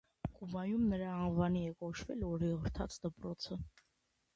Կուբայում նրա անվանի է կոչվել օրիորդաց դպրոցը։